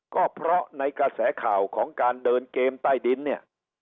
ก็เพราะในกระแสข่าวของการเดินเกมใต้ดินเนี่ย